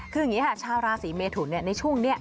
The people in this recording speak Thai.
คืออย่างนี้ค่ะชาวราศีเมทุนในช่วงนี้